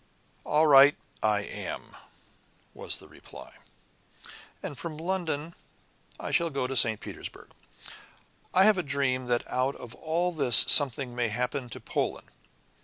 "All right, I am," was the reply. "And from London I shall get to St. Petersburg. I have a dream that out of all this something may happen to Poland.